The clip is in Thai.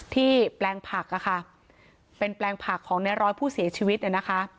แปลงผักอะค่ะเป็นแปลงผักของในร้อยผู้เสียชีวิตเนี่ยนะคะ